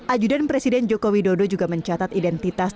ajudan presiden jokowi dodo juga mencatat identitas